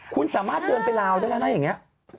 คุณสามารถเดินไปลาวได้แล้วนะอย่างนี้